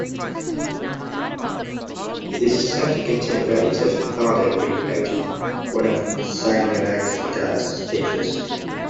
This is said to contain relics of Dhardo Rimpoche, one of Sangharakshita's teachers.